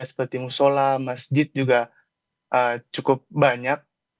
seperti musola masjid juga cukup banyak